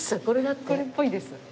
これっぽいです。